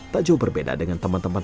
tak jauh berbeda dengan teman teman